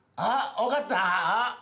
わかった！